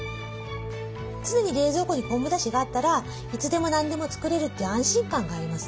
常に冷蔵庫に昆布だしがあったらいつでも何でも作れるという安心感がありますね。